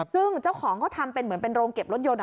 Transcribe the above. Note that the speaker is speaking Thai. ซึ่งเจ้าของเขาทำเป็นเหมือนเป็นโรงเก็บรถยนต์